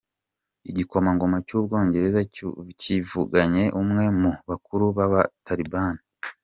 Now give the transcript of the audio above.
Igikomangoma cy’u Bwongereza cyivuganye umwe mu bakuru b’aba Taribani